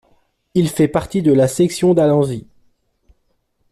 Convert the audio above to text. Il fait partie de la section d'Halanzy.